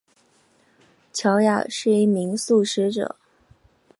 乔雅是一名素食者。